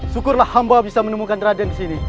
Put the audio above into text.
syukurlah hamba bisa menemukan raden disini